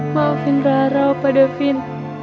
maafin rara pak devin